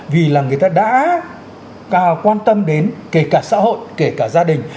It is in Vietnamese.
vì là người ta đã quan tâm đến kể cả xã hội kể cả gia đình